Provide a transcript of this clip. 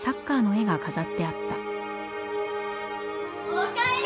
おかえり。